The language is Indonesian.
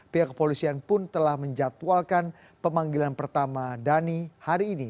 pihak kepolisian pun telah menjatuhalkan pemanggilan pertama dhani hari ini